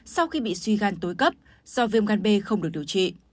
sau khi bị suy gan tối cấp do viêm gan b không được điều trị